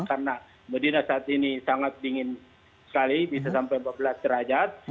karena medina saat ini sangat dingin sekali bisa sampai empat belas kerajaan